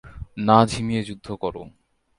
না ঝিমিয়ে যুদ্ধ করো!